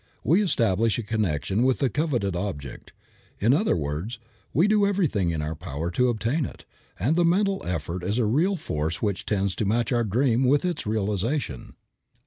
We establish a connection with the coveted object. In other words, we do everything in our power to obtain it; and the mental effort is a real force which tends to match our dream with its realization.